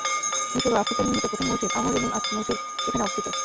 মিশর ও আফ্রিকায় নির্মিত প্রথম মসজিদ আমর ইবনুল আস মসজিদ এখানে অবস্থিত।